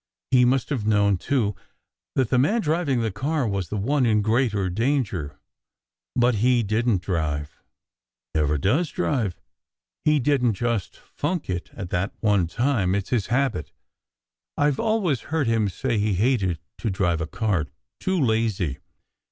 He must have known, too, that the man driving the car was the one in greater danger. But he didn t drive !" "He never does drive. He didn t just funk it at that one time; it s his habit. I ve always heard him say he hated to drive a car. Too lazy!